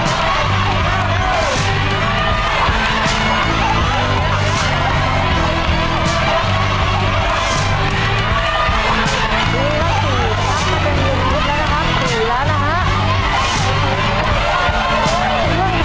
บอกร่วมแพงร่วมใจเลยนะครับเล่นมีได้ต้องเร่งเลยนะครับอย่าเพียว